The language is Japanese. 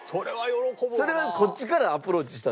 それはこっちからアプローチしたんですか？